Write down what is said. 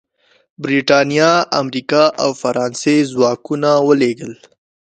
برېټانیا، امریکا او فرانسې ځواکونه ولېږل.